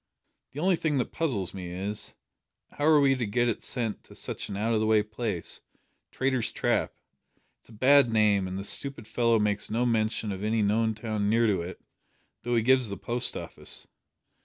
"The only thing that puzzles me is, how are we to get it sent to such an out o' the way place Traitor's Trap! It's a bad name, and the stupid fellow makes no mention of any known town near to it, though he gives the post office.